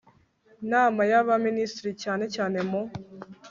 nam a y Abaminisitiri cyane cyane mu